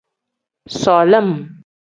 Solim.